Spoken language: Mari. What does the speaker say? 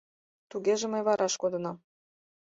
— Тугеже мый вараш кодынам.